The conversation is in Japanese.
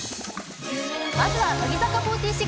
まずは乃木坂４６。